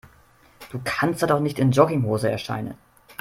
Du kannst da doch nicht in Jogginghose erscheinen.